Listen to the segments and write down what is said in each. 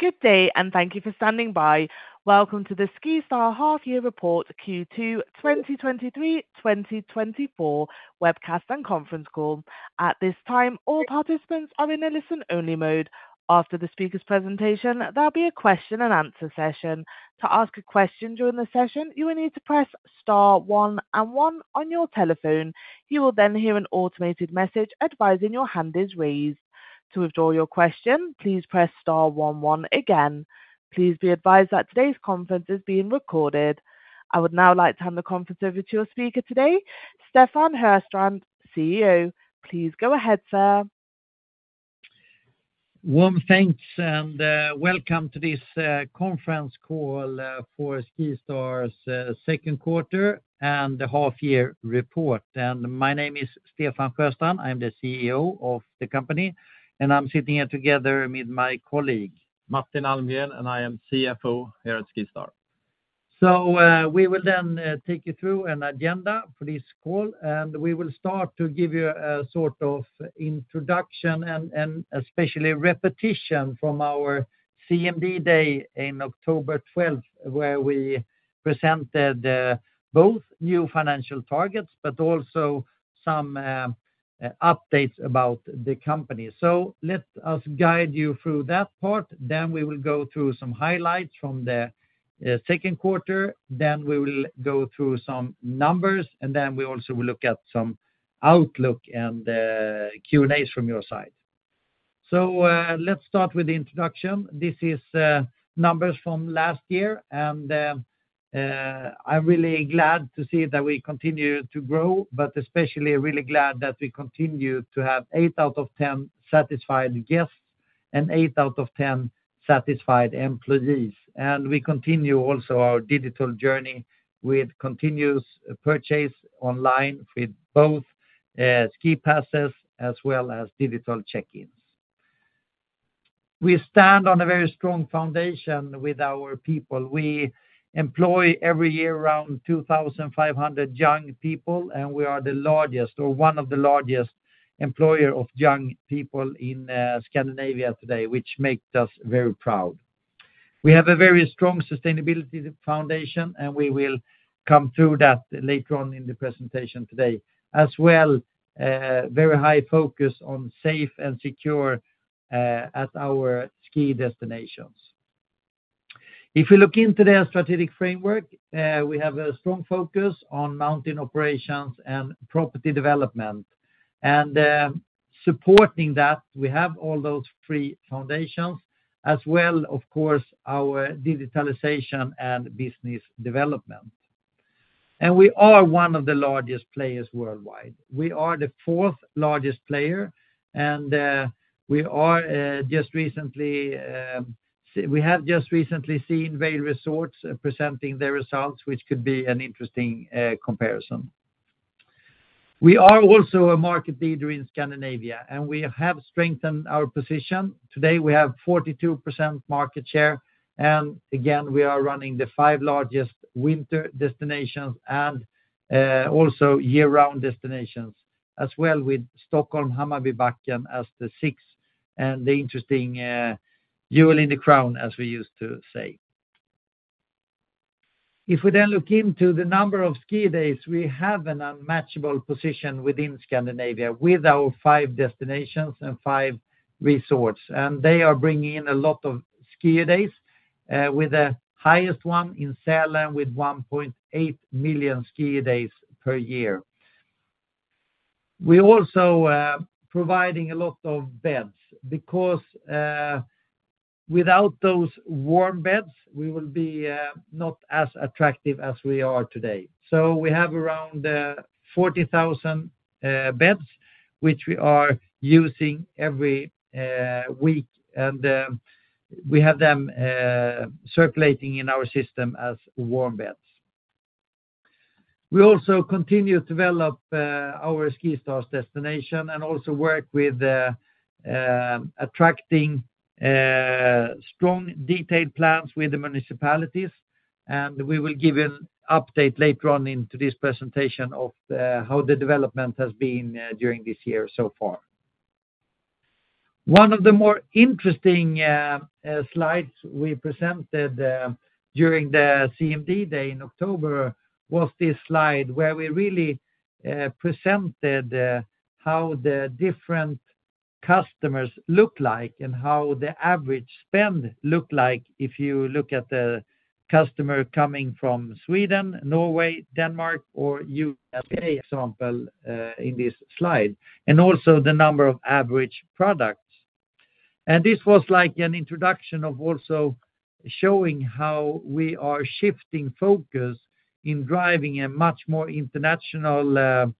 Good day and thank you for standing by. Welcome to the SkiStar Half-Year Report Q2 2023-2024 webcast and conference call. At this time, all participants are in a listen-only mode. After the speaker's presentation, there'll be a question-and-answer session. To ask a question during the session, you will need to press star one and one on your telephone. You will then hear an automated message advising your hand is raised. To withdraw your question, please press star one one again. Please be advised that today's conference is being recorded. I would now like to hand the conference over to your speaker today, Stefan Sjöstrand, CEO. Please go ahead, sir. Warm thanks and welcome to this conference call for SkiStar's second quarter and half-year report. My name is Stefan Sjöstrand, I'm the CEO of the company, and I'm sitting here together with my colleague, Martin Almgren, and I am CFO here at SkiStar. We will then take you through an agenda for this call, and we will start to give you a sort of introduction and especially repetition from our CMD day on October 12, where we presented both new financial targets but also some updates about the company. Let us guide you through that part. We will go through some highlights from the second quarter. We will go through some numbers, and then we also will look at some outlook and Q&As from your side. Let's start with the introduction. This is numbers from last year, and I'm really glad to see that we continue to grow, but especially really glad that we continue to have eight out of 10 satisfied guests and eight out of 10 satisfied employees. We continue also our digital journey with continuous purchase online with both ski passes as well as digital check-ins. We stand on a very strong foundation with our people. We employ every year around 2,500 young people, and we are the largest, or one of the largest, employers of young people in Scandinavia today, which makes us very proud. We have a very strong sustainability foundation, and we will come through that later on in the presentation today, as well as a very high focus on safe and secure at our ski destinations. If we look into their strategic framework, we have a strong focus on mountain operations and property development. Supporting that, we have all those three foundations as well, of course, our digitalization and business development. We are one of the largest players worldwide. We are the fourth largest player, and we have just recently seen Vail Resorts presenting their results, which could be an interesting comparison. We are also a market leader in Scandinavia, and we have strengthened our position. Today, we have 42% market share, and again, we are running the five largest winter destinations and also year-round destinations, as well as Stockholm Hammarbybacken as the sixth and the interesting jewel in the crown, as we used to say. If we then look into the number of ski days, we have an unmatchable position within Scandinavia with our five destinations and five resorts, and they are bringing in a lot of ski days, with the highest one in Sälen with 1.8 million ski days per year. We're also providing a lot of beds because without those warm beds, we will be not as attractive as we are today. So we have around 40,000 beds, which we are using every week, and we have them circulating in our system as warm beds. We also continue to develop our SkiStar destination and also work with attracting strong detailed plans with the municipalities, and we will give you an update later on in this presentation of how the development has been during this year so far. One of the more interesting slides we presented during the CMD day in October was this slide where we really presented how the different customers look like and how the average spend looks like if you look at the customer coming from Sweden, Norway, Denmark, or USA, for example, in this slide, and also the number of average products. This was like an introduction of also showing how we are shifting focus in driving much more international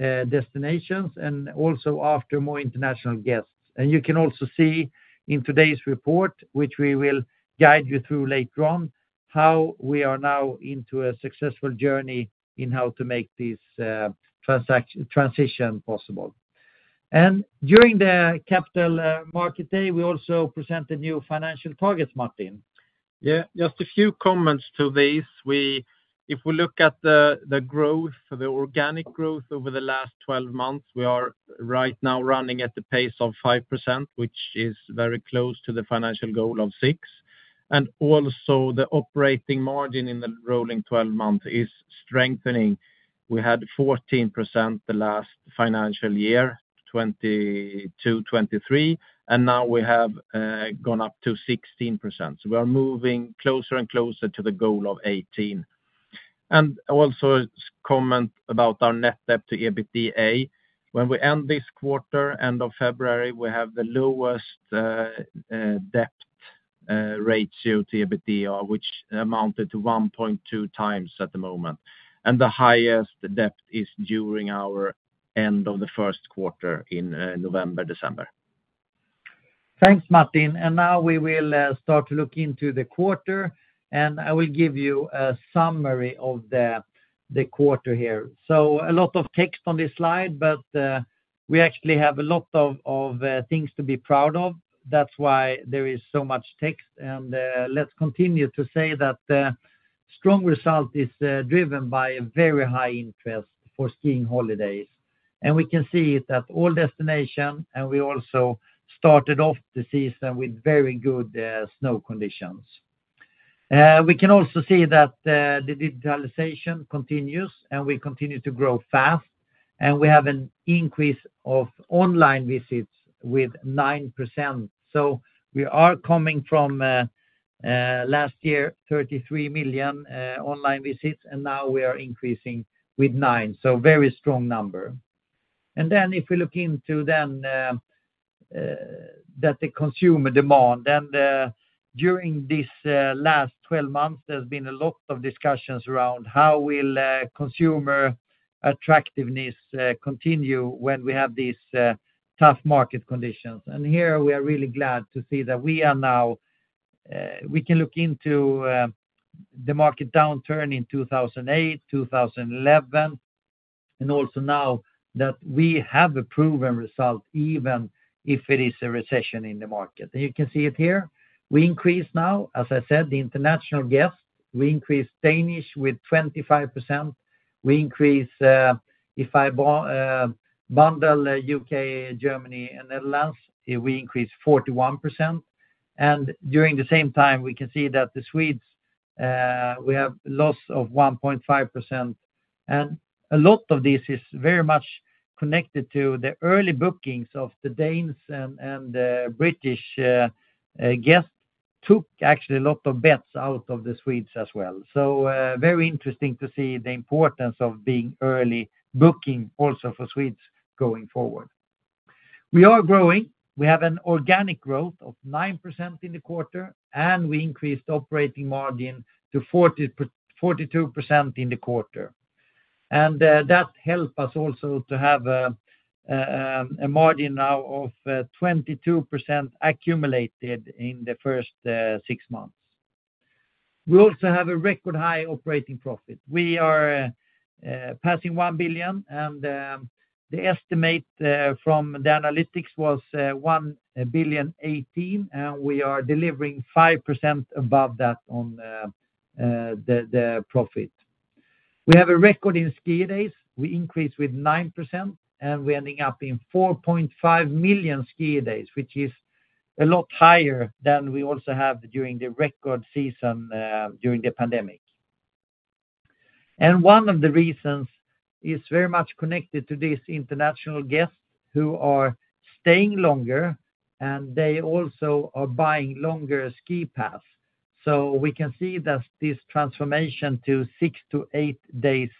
destinations and also after more international guests. You can also see in today's report, which we will guide you through later on, how we are now into a successful journey in how to make this transition possible. During the Capital Market Day, we also presented new financial targets, Martin. Yeah, just a few comments to these. If we look at the growth, the organic growth over the last 12 months, we are right now running at the pace of 5%, which is very close to the financial goal of 6%. The operating margin in the rolling 12 months is strengthening. We had 14% the last financial year, 2022-2023, and now we have gone up to 16%. We are moving closer and closer to the goal of 18%. A comment about our net debt to EBITDA. When we end this quarter, end of February, we have the lowest debt ratio to EBITDA, which amounted to 1.2x at the moment. The highest debt is during our end of the first quarter in November, December. Thanks, Martin. Now we will start to look into the quarter, and I will give you a summary of the quarter here. So a lot of text on this slide, but we actually have a lot of things to be proud of. That's why there is so much text. Let's continue to say that the strong result is driven by a very high interest for skiing holidays. We can see it at all destinations, and we also started off the season with very good snow conditions. We can also see that the digitalization continues, and we continue to grow fast, and we have an increase of online visits with 9%. So we are coming from last year, 33 million online visits, and now we are increasing with 9%. So very strong number. Then if we look into that the consumer demand, then during these last 12 months, there's been a lot of discussions around how will consumer attractiveness continue when we have these tough market conditions. Here we are really glad to see that we can now look into the market downturn in 2008, 2011, and also now that we have a proven result even if it is a recession in the market. You can see it here. We increase now, as I said, the international guests. We increase Danish with 25%. We increase, if I bundle U.K., Germany, and Netherlands, we increase 41%. During the same time, we can see that the Swedes, we have loss of 1.5%. A lot of this is very much connected to the early bookings of the Danes and the British guests took actually a lot of beds out of the Swedes as well. So very interesting to see the importance of being early booking also for Swedes going forward. We are growing. We have an organic growth of 9% in the quarter, and we increased operating margin to 42% in the quarter. That helps us also to have a margin now of 22% accumulated in the first six months. We also have a record high operating profit. We are passing 1 billion, and the estimate from the analysts was 1,018 million, and we are delivering 5% above that on the profit. We have a record in ski days. We increase with 9%, and we're ending up in 4.5 million ski days, which is a lot higher than we also have during the record season during the pandemic. One of the reasons is very much connected to these international guests who are staying longer, and they also are buying longer ski passes. So we can see that this transformation to 6-8 days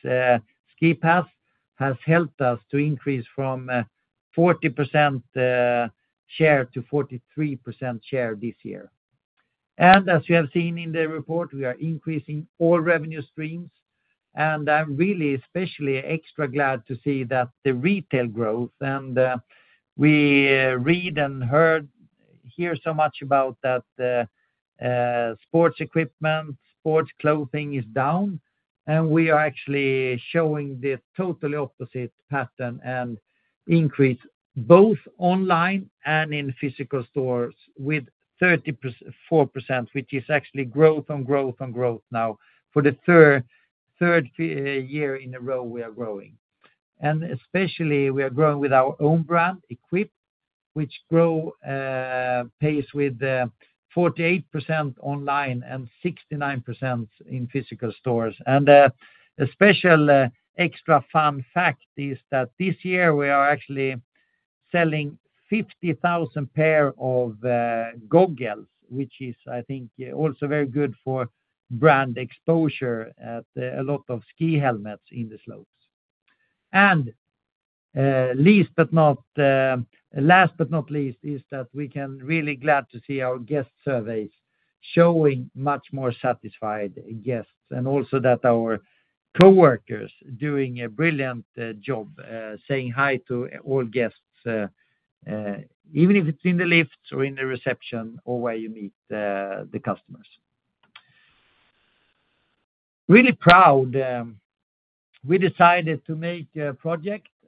ski passes has helped us to increase from 40%-43% share this year. And as you have seen in the report, we are increasing all revenue streams. And I'm really especially extra glad to see that the retail growth, and we read and hear so much about that sports equipment, sports clothing is down, and we are actually showing the totally opposite pattern and increase both online and in physical stores with 34%, which is actually growth on growth on growth now for the third year in a row we are growing. And especially we are growing with our own brand, EQPE, which pays with 48% online and 69% in physical stores. A special extra fun fact is that this year we are actually selling 50,000 pairs of goggles, which is, I think, also very good for brand exposure at a lot of ski helmets in the slopes. Last but not least is that we can really be glad to see our guest surveys showing much more satisfied guests and also that our coworkers are doing a brilliant job saying hi to all guests, even if it's in the lifts or in the reception or where you meet the customers. Really proud. We decided to make a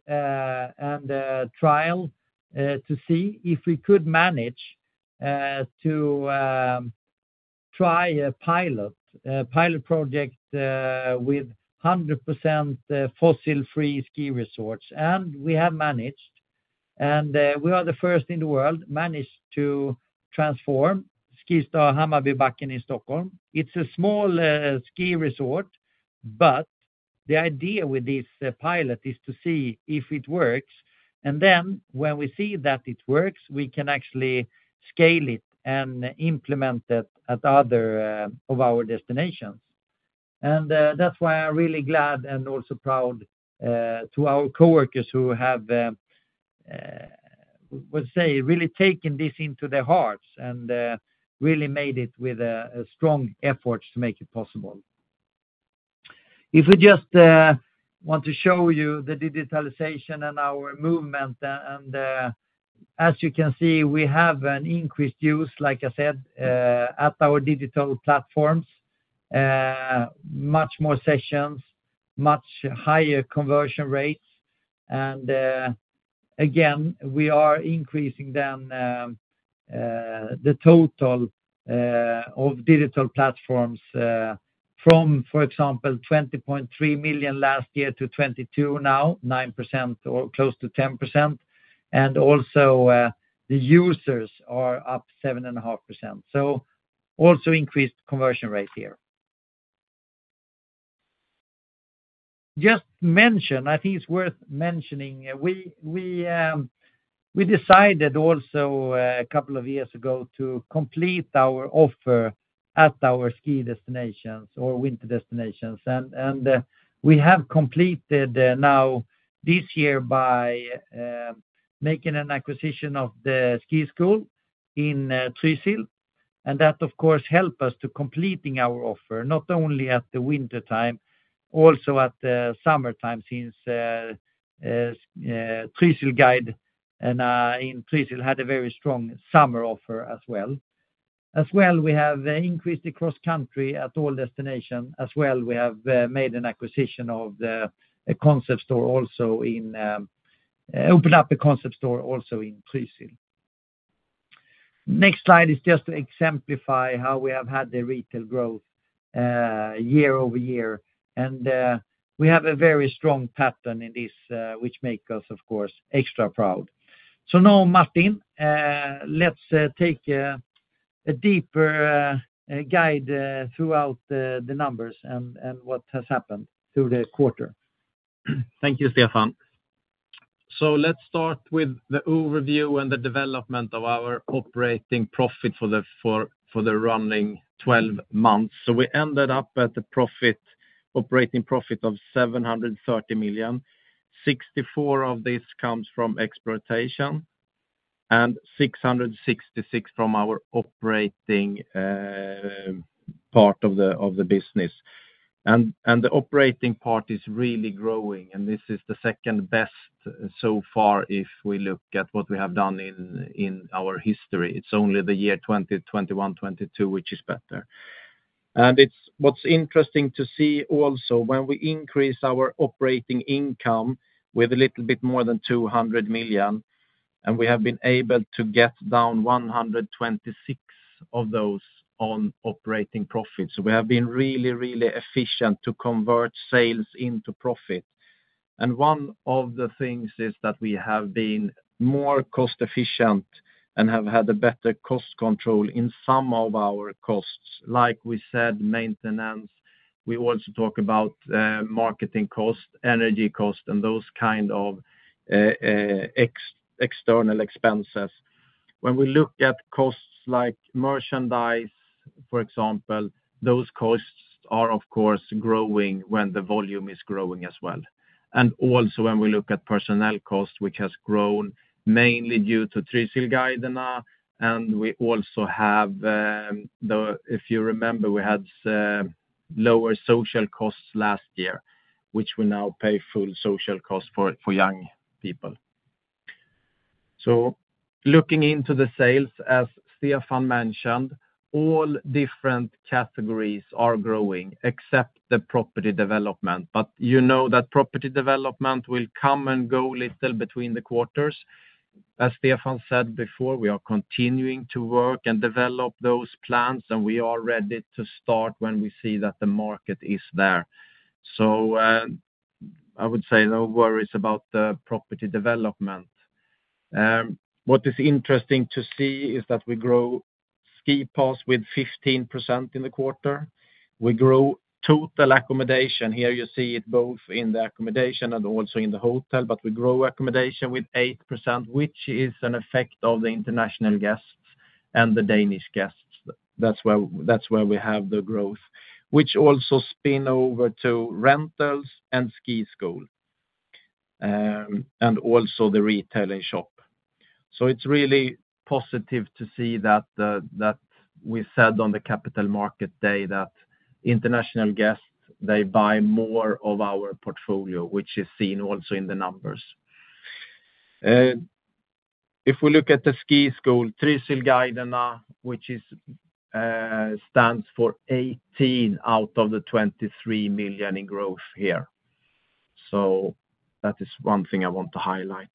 project and a trial to see if we could manage to try a pilot project with 100% fossil-free ski resorts. We have managed. We are the first in the world to manage to transform SkiStar Hammarbybacken in Stockholm. It's a small ski resort, but the idea with this pilot is to see if it works. And then when we see that it works, we can actually scale it and implement it at other of our destinations. And that's why I'm really glad and also proud of our coworkers who have, I would say, really taken this into their hearts and really made it with strong efforts to make it possible. If we just want to show you the digitalization and our movement, and as you can see, we have an increased use, like I said, at our digital platforms, much more sessions, much higher conversion rates. And again, we are increasing the total of digital platforms from, for example, 20.3 million last year to 22 now, 9% or close to 10%. And also the users are up 7.5%. So also increased conversion rate here. I think it's worth mentioning, we decided also a couple of years ago to complete our offer at our ski destinations or winter destinations. We have completed now this year by making an acquisition of the ski school in Trysil. And that, of course, helped us to complete our offer, not only at the winter time, also at the summer time since Trysilguidene in Trysil had a very strong summer offer as well. As well, we have increased cross-country at all destinations as well. We have made an acquisition of a concept store, also opened up a concept store also in Trysil. Next slide is just to exemplify how we have had the retail growth year-over-year. We have a very strong pattern in this, which makes us, of course, extra proud. So now, Martin, let's take a deeper dive into the numbers and what has happened during the quarter. Thank you, Stefan. So let's start with the overview and the development of our operating profit for the running 12 months. So we ended up at the operating profit of 730 million. 64 of this comes from exploitation and 666 from our operating part of the business. And the operating part is really growing. And this is the second best so far if we look at what we have done in our history. It's only the year 2021-2022, which is better. And what's interesting to see also, when we increase our operating income with a little bit more than 200 million, and we have been able to get down 126 million of those on operating profit. So we have been really, really efficient to convert sales into profit. And one of the things is that we have been more cost-efficient and have had a better cost control in some of our costs. Like we said, maintenance, we also talk about marketing costs, energy costs, and those kind of external expenses. When we look at costs like merchandise, for example, those costs are, of course, growing when the volume is growing as well. And also when we look at personnel costs, which has grown mainly due to Trysilguidene. And we also have, if you remember, we had lower social costs last year, which we now pay full social costs for young people. So looking into the sales, as Stefan mentioned, all different categories are growing except the property development. But you know that property development will come and go a little between the quarters. As Stefan said before, we are continuing to work and develop those plans, and we are ready to start when we see that the market is there. So I would say no worries about the property development. What is interesting to see is that we grow ski passes with 15% in the quarter. We grow total accommodation. Here you see it both in the accommodation and also in the hotel. But we grow accommodation with 8%, which is an effect of the international guests and the Danish guests. That's where we have the growth, which also spins over to rentals and ski school and also the retail shop. So it's really positive to see that we said on the Capital Market Day that international guests, they buy more of our portfolio, which is seen also in the numbers. If we look at the ski school, Trysilguidene, which stands for 18 million out of the 23 million in growth here. So that is one thing I want to highlight.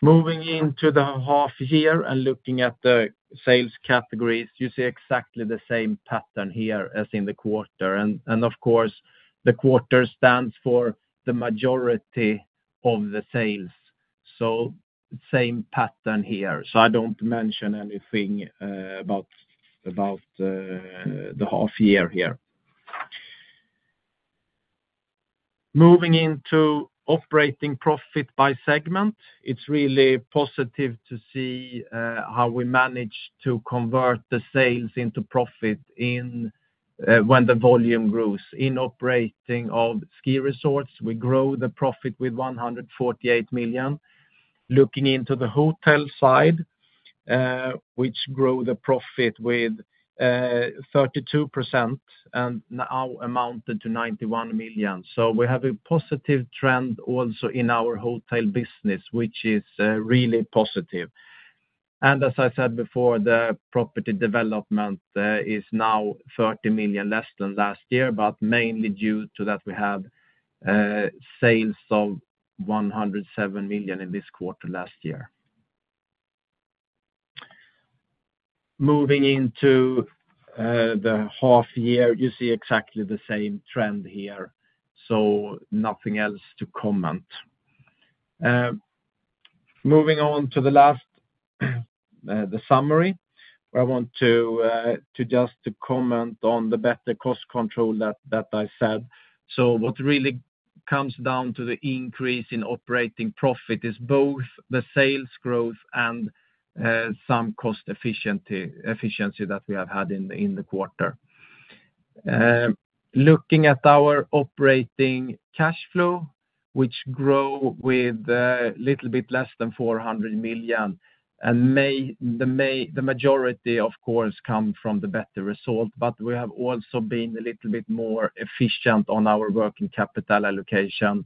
Moving into the half year and looking at the sales categories, you see exactly the same pattern here as in the quarter. Of course, the quarter stands for the majority of the sales. So same pattern here. So I don't mention anything about the half year here. Moving into operating profit by segment, it's really positive to see how we manage to convert the sales into profit when the volume grows. In operating of ski resorts, we grow the profit with 148 million. Looking into the hotel side, which grew the profit with 32% and now amounted to 91 million. So we have a positive trend also in our hotel business, which is really positive. And as I said before, the property development is now 30 million less than last year, but mainly due to that we had sales of 107 million in this quarter last year. Moving into the half year, you see exactly the same trend here. So nothing else to comment. Moving on to the summary, I want to just comment on the better cost control that I said. So what really comes down to the increase in operating profit is both the sales growth and some cost efficiency that we have had in the quarter. Looking at our operating cash flow, which grew with a little bit less than 400 million, and the majority, of course, comes from the better result. But we have also been a little bit more efficient on our working capital allocation.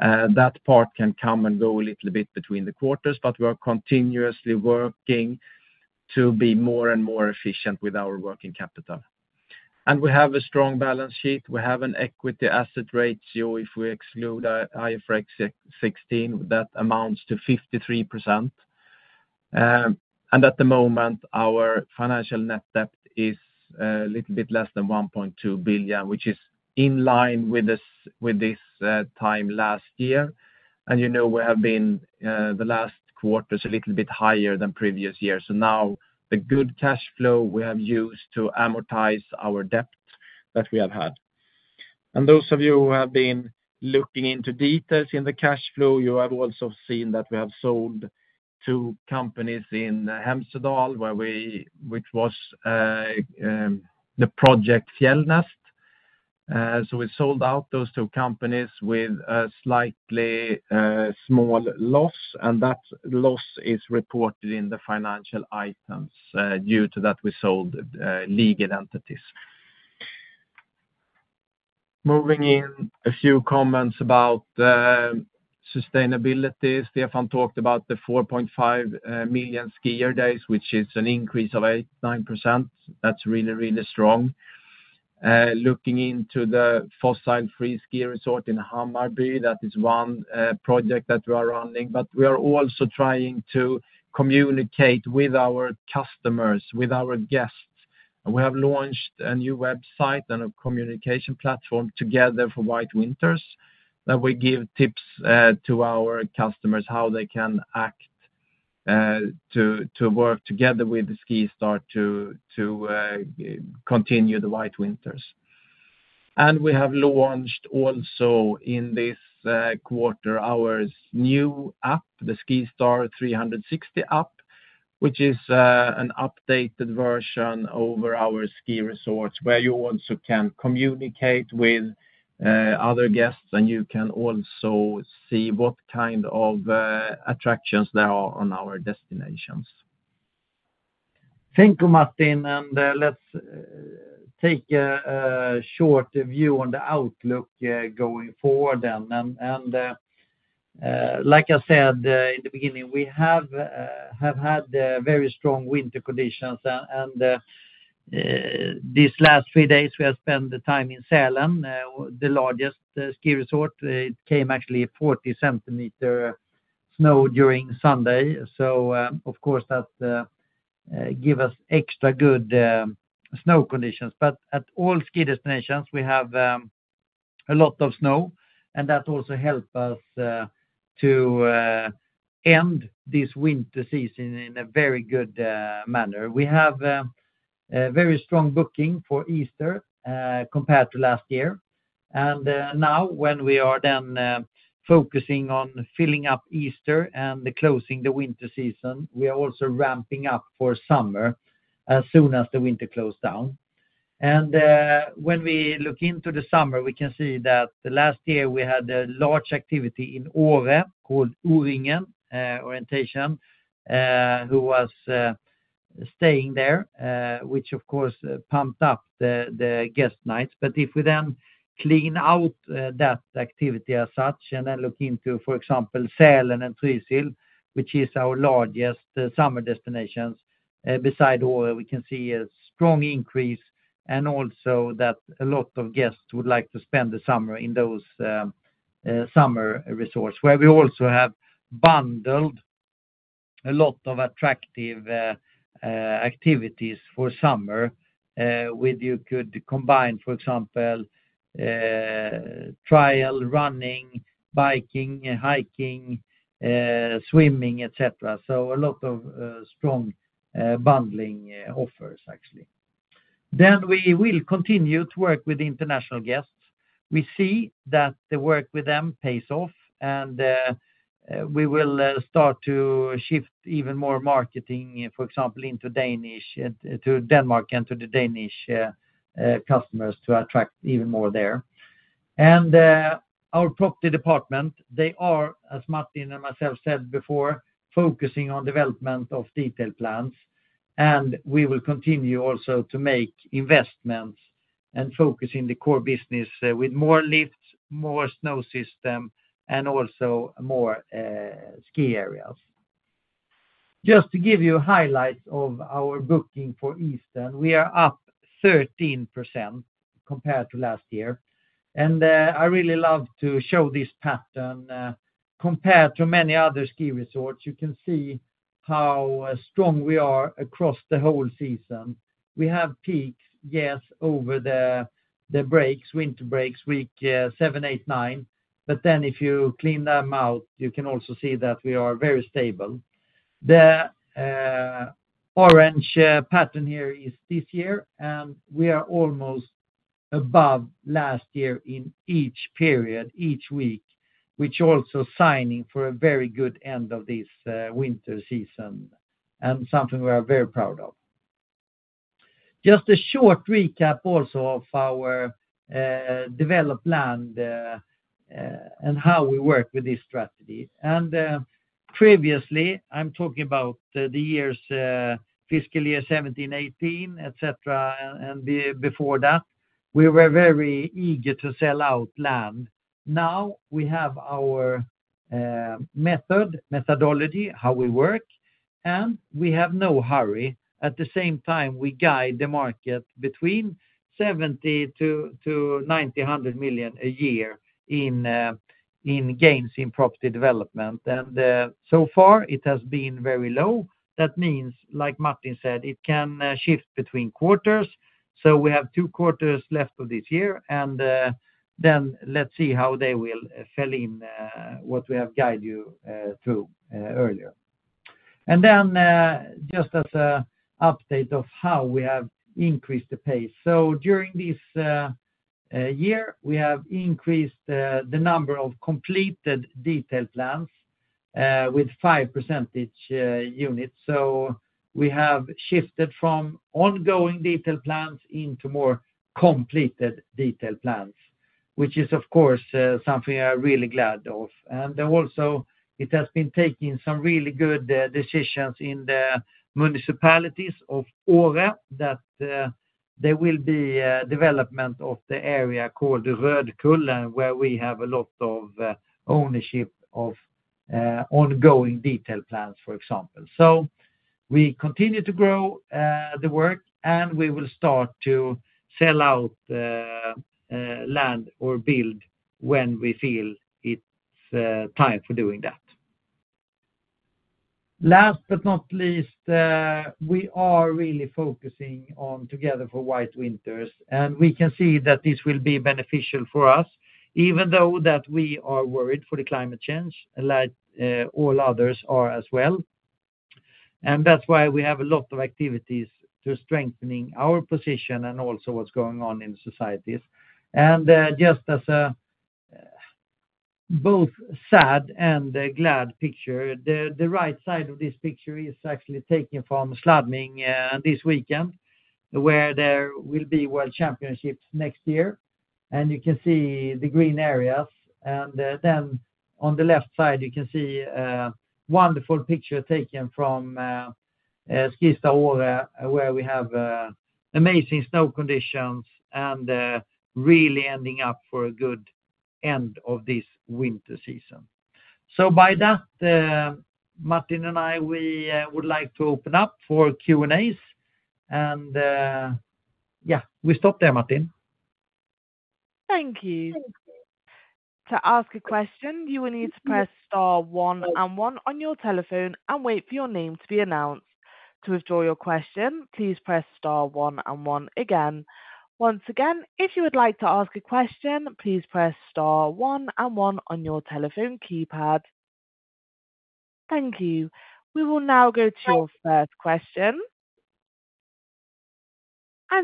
That part can come and go a little bit between the quarters, but we are continuously working to be more and more efficient with our working capital. We have a strong balance sheet. We have an equity asset ratio. If we exclude IFRS 16, that amounts to 53%. At the moment, our financial net debt is a little bit less than 1.2 billion, which is in line with this time last year. You know we have been the last quarters a little bit higher than previous years. Now the good cash flow we have used to amortize our debt that we have had. Those of you who have been looking into details in the cash flow, you have also seen that we have sold two companies in Hemsedal, which was the project Fjellnest. We sold out those two companies with a slightly small loss. That loss is reported in the financial items due to that we sold legal entities. Moving on, a few comments about sustainability. Stefan talked about the 4.5 million ski days, which is an increase of 8%-9%. That's really, really strong. Looking into the fossil-free ski resort in Hammarby, that is one project that we are running. But we are also trying to communicate with our customers, with our guests. We have launched a new website and a communication platform Together for White Winters that we give tips to our customers how they can act to work together with SkiStar to continue the White Winters. We have launched also in this quarter our new app, the SkiStar 360 app, which is an updated version over our ski resorts where you also can communicate with other guests and you can also see what kind of attractions there are on our destinations. Thank you, Martin. Let's take a short view on the outlook going forward then. Like I said in the beginning, we have had very strong winter conditions. These last three days, we have spent the time in Sälen, the largest ski resort. It came actually 40 cm snow during Sunday. So of course, that gives us extra good snow conditions. But at all ski destinations, we have a lot of snow. That also helps us to end this winter season in a very good manner. We have very strong booking for Easter compared to last year. Now when we are then focusing on filling up Easter and closing the winter season, we are also ramping up for summer as soon as the winter closes down. When we look into the summer, we can see that last year we had a large activity in Åre called O-Ringen, who was staying there, which, of course, pumped up the guest nights. But if we then clean out that activity as such and then look into, for example, Sälen and Trysil, which is our largest summer destinations, besides Åre, we can see a strong increase and also that a lot of guests would like to spend the summer in those summer resorts where we also have bundled a lot of attractive activities for summer where you could combine, for example, trail, running, biking, hiking, swimming, etc. So a lot of strong bundling offers, actually. Then we will continue to work with international guests. We see that the work with them pays off. We will start to shift even more marketing, for example, into Denmark and to the Danish customers to attract even more there. Our property department, they are, as Martin and myself said before, focusing on development of detailed plans. We will continue also to make investments and focus in the core business with more lifts, more snow systems, and also more ski areas. Just to give you highlights of our booking for Easter, we are up 13% compared to last year. I really love to show this pattern. Compared to many other ski resorts, you can see how strong we are across the whole season. We have peaks, yes, over the winter breaks, week seven, eight, nine. Then if you clean them out, you can also see that we are very stable. The orange pattern here is this year. And we are almost above last year in each period, each week, which is also signifying for a very good end of this winter season and something we are very proud of. Just a short recap also of our developed land and how we work with this strategy. Previously, I'm talking about the fiscal year 2017, 2018, etc., and before that, we were very eager to sell our land. Now we have our method, methodology, how we work. And we have no hurry. At the same time, we guide the market between 700-900 million a year in gains in property development. And so far, it has been very low. That means, like Martin said, it can shift between quarters. We have 2 quarters left of this year. Then let's see how they will fill in what we have guided you through earlier. Just as an update of how we have increased the pace. During this year, we have increased the number of completed detailed plans with 5 percentage units. We have shifted from ongoing detailed plans into more completed detailed plans, which is, of course, something I'm really glad of. And also, it has been taking some really good decisions in the municipalities of Åre that there will be development of the area called Rödkullen where we have a lot of ownership of ongoing detailed plans, for example. We continue to grow the work, and we will start to sell out land or build when we feel it's time for doing that. Last but not least, we are really focusing on Together for White Winters. We can see that this will be beneficial for us, even though we are worried for the climate change, like all others are as well. That's why we have a lot of activities to strengthen our position and also what's going on in societies. Just as a both sad and glad picture, the right side of this picture is actually taken from Schladming this weekend where there will be World Championships next year. You can see the green areas. Then on the left side, you can see a wonderful picture taken from SkiStar Åre where we have amazing snow conditions and really ending up for a good end of this winter season. By that, Martin and I, we would like to open up for Q&As. Yeah, we stop there, Martin. Thank you. Thank you. To ask a question, you will need to press star one and one on your telephone and wait for your name to be announced. To withdraw your question, please press star one and one again. Once again, if you would like to ask a question, please press star one and one on your telephone keypad. Thank you. We will now go to your first question.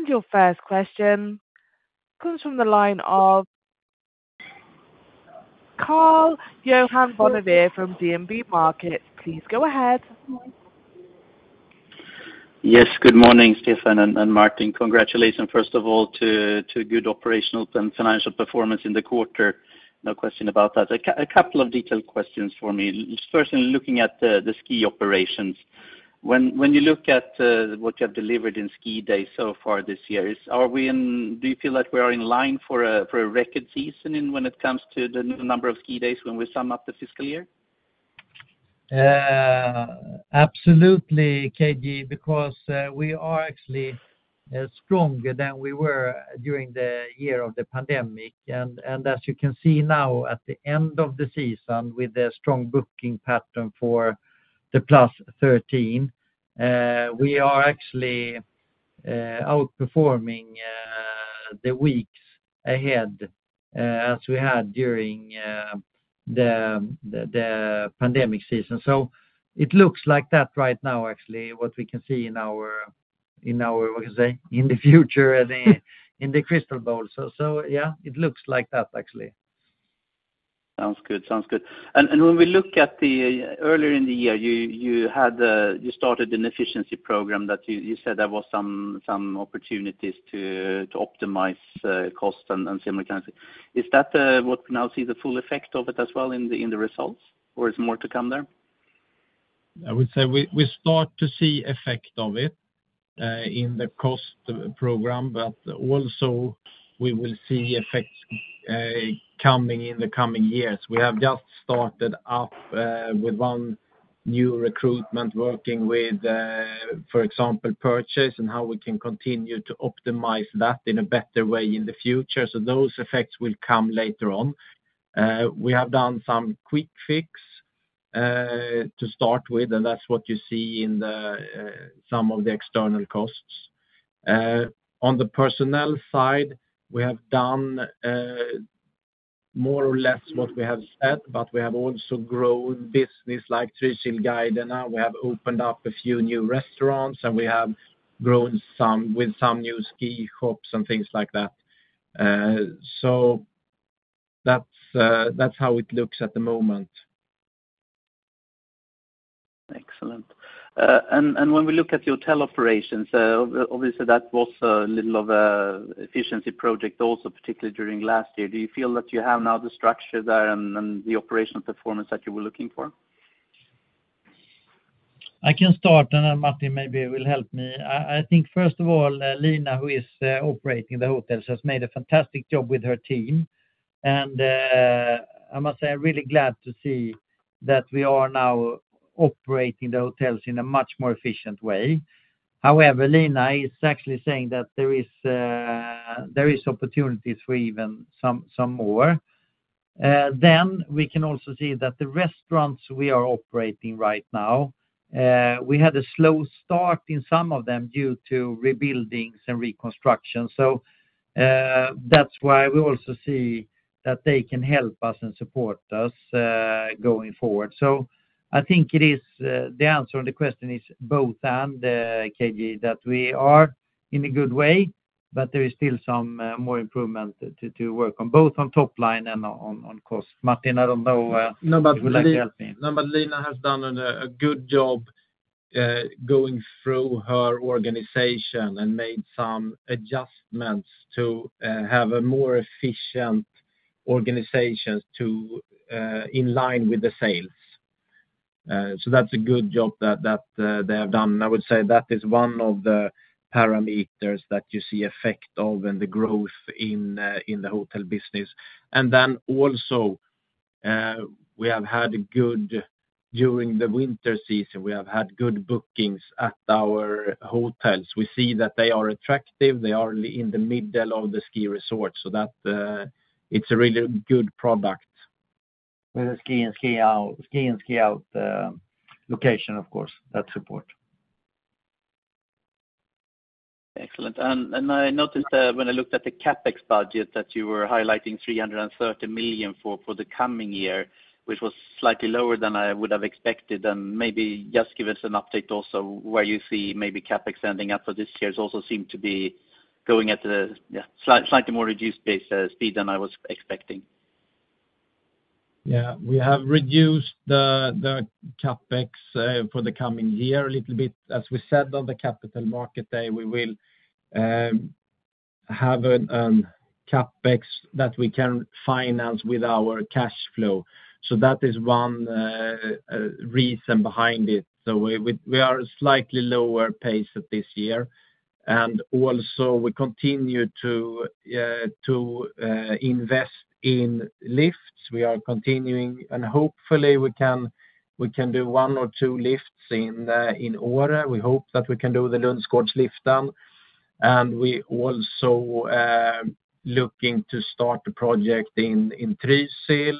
Your first question comes from the line of Karl-Johan Bonnevier from DNB Markets. Please go ahead. Yes. Good morning, Stefan and Martin. Congratulations, first of all, to good operational and financial performance in the quarter. No question about that. A couple of detailed questions for me. Firstly, looking at the ski operations. When you look at what you have delivered in ski days so far this year, do you feel that we are in line for a record season when it comes to the number of ski days when we sum up the fiscal year? Absolutely, KB, because we are actually stronger than we were during the year of the pandemic. And as you can see now at the end of the season with the strong booking pattern for the plus 13, we are actually outperforming the weeks ahead as we had during the pandemic season. So it looks like that right now, actually, what we can see in our what can I say, in the future and in the crystal ball. So yeah, it looks like that, actually. Sounds good. Sounds good. And when we look at earlier in the year, you started an efficiency program that you said there were some opportunities to optimize costs and similar kinds of things. Is that what we now see the full effect of it as well in the results, or is more to come there? I would say we start to see effect of it in the cost program, but also we will see effects coming in the coming years. We have just started up with one new recruitment working with, for example, purchase and how we can continue to optimize that in a better way in the future. So those effects will come later on. We have done some quick fixes to start with, and that's what you see in some of the external costs. On the personnel side, we have done more or less what we have said, but we have also grown business like Trysilguidene now. We have opened up a few new restaurants, and we have grown with some new ski shops and things like that. So that's how it looks at the moment. Excellent. And when we look at your hotel operations, obviously, that was a little of an efficiency project also, particularly during last year. Do you feel that you have now the structure there and the operational performance that you were looking for? I can start, and then Martin maybe will help me. I think first of all, Lina, who is operating the hotels, has made a fantastic job with her team. And I must say I'm really glad to see that we are now operating the hotels in a much more efficient way. However, Lina is actually saying that there are opportunities for even some more. Then we can also see that the restaurants we are operating right now, we had a slow start in some of them due to rebuildings and reconstruction. So that's why we also see that they can help us and support us going forward. So I think the answer on the question is both and, KB, that we are in a good way, but there is still some more improvement to work on, both on top line and on cost. Martin, I don't know who would like to help me. No, but Lina has done a good job going through her organization and made some adjustments to have a more efficient organization in line with the sales. So that's a good job that they have done. I would say that is one of the parameters that you see effect of in the growth in the hotel business. Then also, we have had a good during the winter season. We have had good bookings at our hotels. We see that they are attractive. They are in the middle of the ski resort. So it's a really good product. With the ski and ski out location, of course, that support. Excellent. I noticed when I looked at the CapEx budget that you were highlighting 330 million for the coming year, which was slightly lower than I would have expected. Maybe just give us an update also where you see maybe CapEx ending up for this year also seemed to be going at a slightly more reduced speed than I was expecting. Yeah. We have reduced the CapEx for the coming year a little bit. As we said on the Capital Market Day, we will have a CapEx that we can finance with our cash flow. So that is one reason behind it. So we are a slightly lower pace this year. Also, we continue to invest in lifts. We are continuing, and hopefully, we can do one or two lifts in Åre. We hope that we can do the Lundsgårdsliften. And we're also looking to start a project in Trysil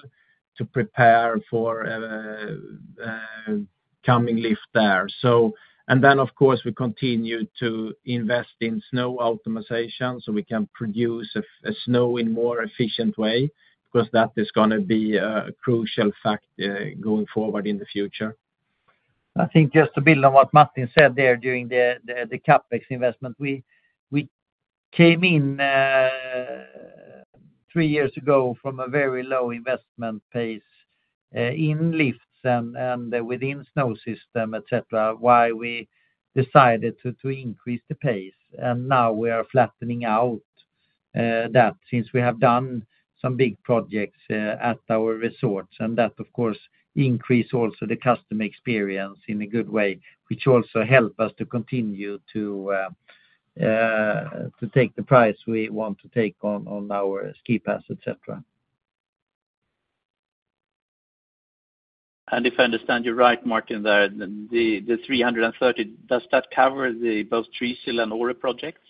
to prepare for a coming lift there. And then, of course, we continue to invest in snow optimization so we can produce snow in a more efficient way because that is going to be a crucial fact going forward in the future. I think just to build on what Martin said there during the CapEx investment, we came in 3 years ago from a very low investment pace in lifts and within snow systems, etc., why we decided to increase the pace. And now we are flattening out that since we have done some big projects at our resorts. And that, of course, increases also the customer experience in a good way, which also helps us to continue to take the price we want to take on our ski pass, etc. And if I understand you right, Martin, the 330, does that cover both Trysil and Åre projects?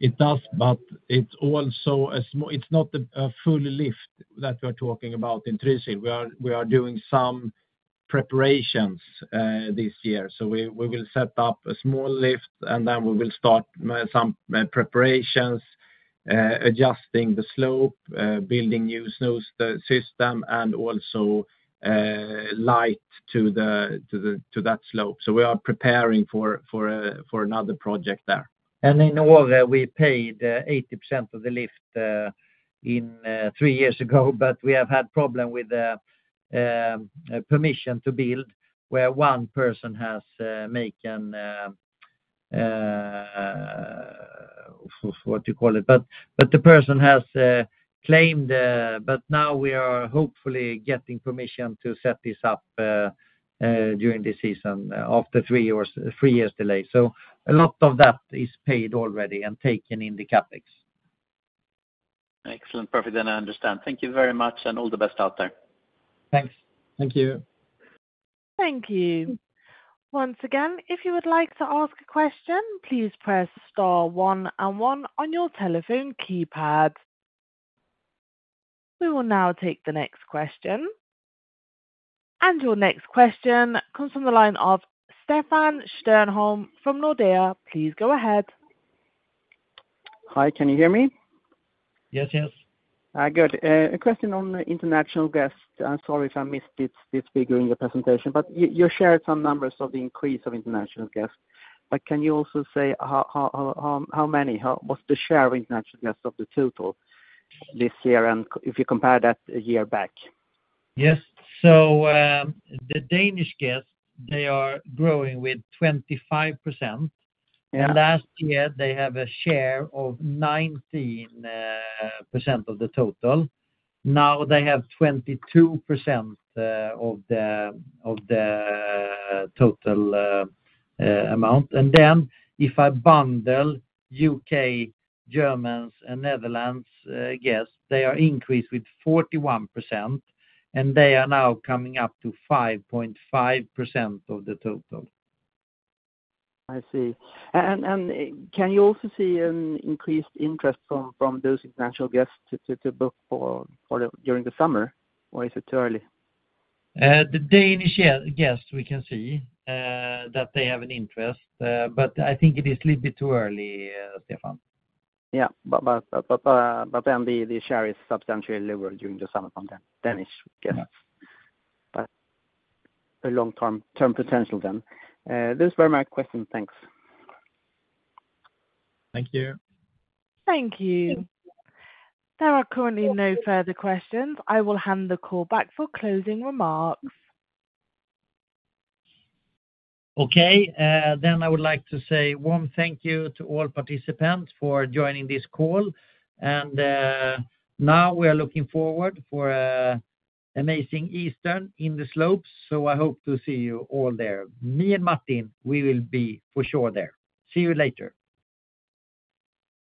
Yes, it does, but it's also a small, it's not a full lift that we are talking about in Trysil. We are doing some preparations this year. So we will set up a small lift, and then we will start some preparations, adjusting the slope, building new snow system, and also light to that slope. So we are preparing for another project there. And in Åre, we paid 80% of the lift three years ago, but we have had a problem with permission to build where one person has made a what do you call it? But the person has claimed a but now we are hopefully getting permission to set this up during the season after three years' delay. So a lot of that is paid already and taken in the CapEx. Excellent. Perfect. Then I understand. Thank you very much, and all the best out there. Thanks. Thank you. Thank you. Once again, if you would like to ask a question, please press star one and one on your telephone keypad. We will now take the next question. Your next question comes from the line of Stefan Stjernholm from Nordea. Please go ahead. Hi. Can you hear me? Yes, yes. Good. A question on international guests. Sorry if I missed this figure in your presentation, but you shared some numbers of the increase of international guests. But can you also say how many? What's the share of international guests of the total this year and if you compare that a year back? Yes. The Danish guests, they are growing with 25%. And last year, they have a share of 19% of the total. Now they have 22% of the total amount. And then if I bundle U.K., Germans, and the Netherlands guests, they are increased with 41%, and they are now coming up to 5.5% of the total. I see. Can you also see an increased interest from those international guests to book during the summer, or is it too early? The Danish guests, we can see that they have an interest, but I think it is a little bit too early, Stefan. Yeah. Then the share is substantially lower during the summer from Danish guests. A long-term potential then. That was very my question. Thanks. Thank you. Thank you. There are currently no further questions. I will hand the call back for closing remarks. Okay. I would like to say warm thank you to all participants for joining this call. Now we are looking forward to an amazing Easter in the slopes, so I hope to see you all there. Me and Martin, we will be for sure there. See you later.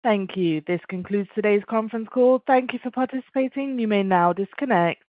Thank you. This concludes today's conference call. Thank you for participating. You may now disconnect.